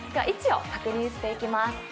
位置を確認していきます。